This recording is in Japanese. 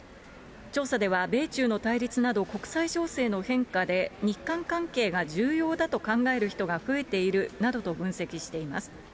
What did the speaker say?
調査では米中の対立など、国際情勢の変化で、日韓関係が重要だと考える人が増えているなどと分析しています。